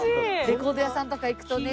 レコード屋さんとか行くとね